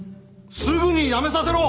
すぐにやめさせろ！